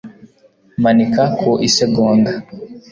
Manika ku isegonda